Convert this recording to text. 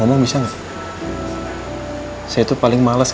iya iya pelan pelan